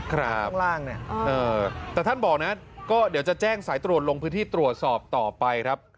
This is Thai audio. ครับแต่ท่านบอกนะก็เดี๋ยวจะแจ้งสายตรวจลงพื้นที่ตรวจสอบต่อไปครับ